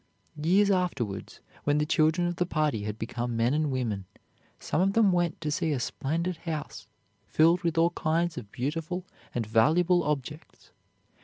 Years afterwards when the children of the party had become men and women, some of them went to see a splendid house, filled with all kinds of beautiful and valuable objects.